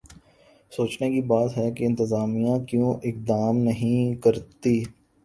سوچنے کی بات ہے کہ انتظامیہ کیوں اقدام نہیں کرتی؟